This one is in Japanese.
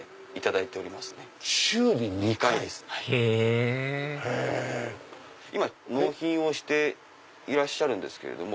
へぇ今納品をしていらっしゃるんですけれども。